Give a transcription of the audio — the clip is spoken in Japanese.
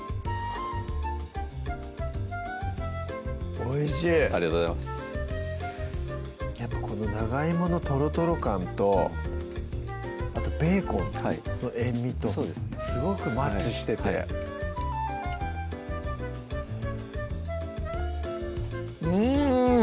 おいしいありがとうございますやっぱこの長いものとろとろ感とあとベーコンの塩みとすごくマッチしててうん！